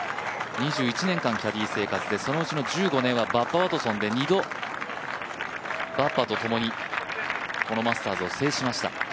２１年間キャディー生活で、そのうちの１５年はバッバ・ワトソンと２度、バッバとともにこのマスターズを制しました。